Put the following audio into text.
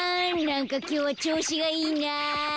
なんかきょうはちょうしがいいな。